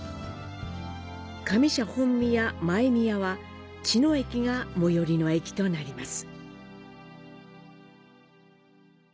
上社本宮、前宮は、茅野駅が最寄りの駅となります。